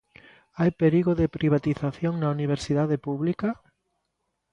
Hai perigo de privatización na Universidade pública?